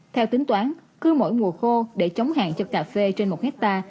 theo tính toán cứ mỗi mùa khô để chống hạn cho cà phê trên một hectare